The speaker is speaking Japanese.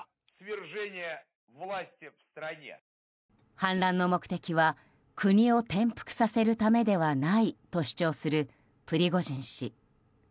反乱の目的は国を転覆させるためではないと主張するプリゴジン氏。